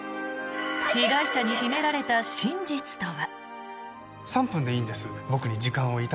被害者に秘められた真実とは？